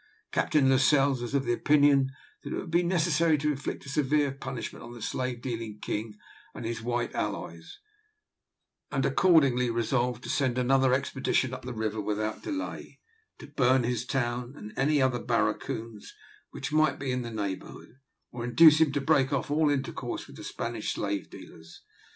Captain Lascelles was of opinion that it would be necessary to inflict a severe punishment on the slave dealing king and his white allies, and accordingly resolved to send another expedition up the river without delay, to burn his town and any other barracoons which might be in the neighbourhood; or to induce him to break off all intercourse with the Spanish slave dealers.